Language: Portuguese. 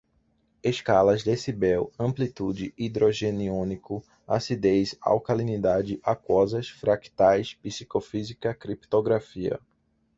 escalas, decibel, amplitude, hidrogeniônico, acidez, alcalinidade, aquosas, fractais, psicofísica, criptografia